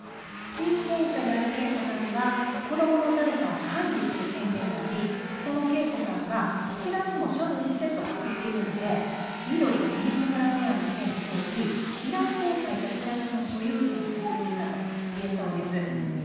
親権者である景子さんには子供の財産を管理する権限がありその景子さんが「チラシも処分して」と言っているのでみどり・西村ペアの意見のとおりイラストを描いたチラシの所有権を放棄したといえそうです。